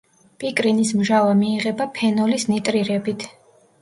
პიკრინის მჟავა მიიღება ფენოლის ნიტრირებით.